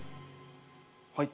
はい。